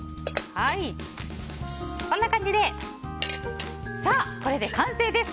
こんな感じでこれで完成です。